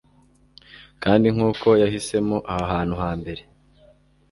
kandi nkuko yahisemo aha hantu hambere